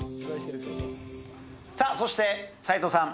さあ、そして、斉藤さん。